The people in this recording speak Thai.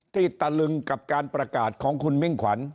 ตะลึงกับการประกาศของคุณมิ่งขวัญ